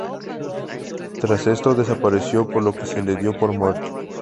Tras esto desapareció por lo que se le dio por muerto.